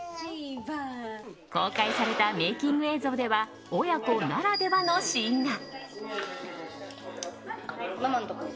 公開されたメイキング映像では親子ならではのシーンが。